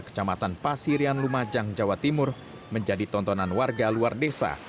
kecamatan pasirian lumajang jawa timur menjadi tontonan warga luar desa